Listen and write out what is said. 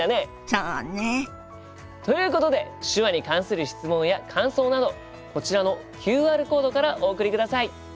そうね。ということで手話に関する質問や感想などこちらのＱＲコードからお送りください。